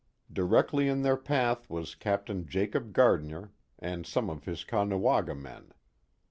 Directly in their path was Captain Jacob Gardinier and some of his Caughna waga men.